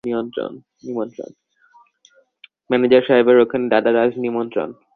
ম্যানেজার-সাহেবের ওখানে দাদার আজ নিমন্ত্রণ।